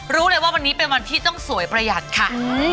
รู้เลยว่าวันนี้เป็นวันที่ต้องสวยประหยัดค่ะ